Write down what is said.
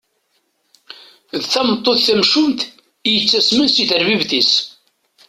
D tameṭṭut tamcumt i yettassmen si tarbibt-is.